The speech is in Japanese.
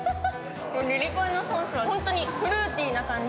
リリコイのソースが本当にフルーティーな感じ。